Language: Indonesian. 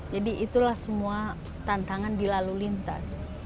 jadi itulah semua tantangan di lalu lintas